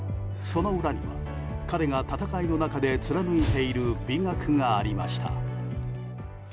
その裏には彼が戦いの中で貫いている美学がありました。